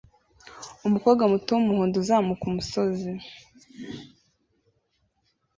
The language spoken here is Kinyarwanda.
Umukobwa muto wumuhondo uzamuka umusozi